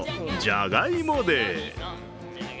じゃがいもデー。